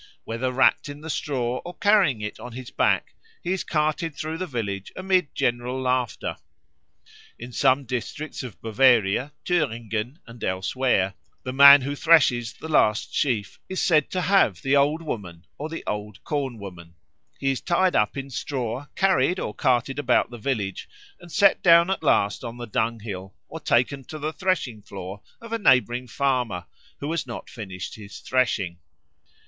Whether wrapt in the straw or carrying it on his back, he is carted through the village amid general laughter. In some districts of Bavaria, Thüringen, and elsewhere, the man who threshes the last sheaf is said to have the Old Woman or the Old Corn woman; he is tied up in straw, carried or carted about the village, and set down at last on the dunghill, or taken to the threshing floor of a neighbouring farmer who has not finished his threshing.